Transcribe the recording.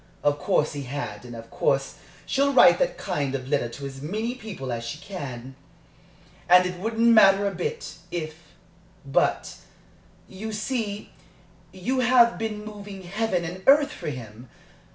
Of course he had and of course she'll write that kind of letter to as many people as she can. And it wouldn't matter a bit, if But, you see, you have been moving heaven and earth for him!